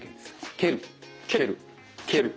蹴る蹴る蹴る。